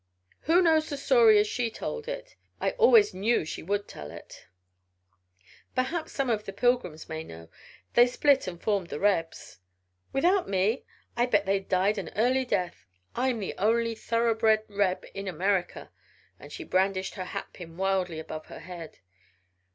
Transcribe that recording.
"Who knows the story as she told it I always knew she would tell it!" "Perhaps some of the Pilgrims may know. They split and formed the Rebs." "Without me? I'll bet they died an early death! I'm the only thoroughbred Reb in America!" and she brandished her hatpin wildly above her head.